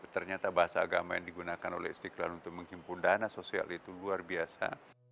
ternyata bahasa agama yang digunakan oleh istiqlal untuk menghimpun dana sosial itu luar biasa